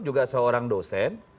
juga seorang dosen